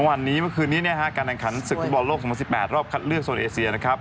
วันนี้เมื่อคืนนี้เนี่ยฮะการดังขันศึกธุรกฎาลโลก๑๘รอบคัดเลือกโซนเอเซียนะครับ